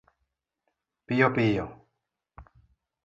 piyo piyo